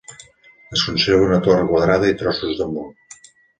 Es conserva una torre quadrada i trossos de mur.